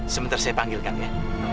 sebentar saya panggilkan ya